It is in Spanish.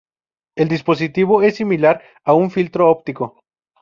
El dispositivo es similar a un filtro óptico.